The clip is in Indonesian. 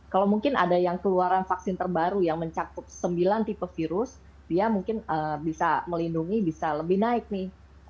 kalau mungkin ada yang keluaran vaksin terbaru yang mencakup sembilan tipe virus dia mungkin bisa melindungi bisa lebih naik nih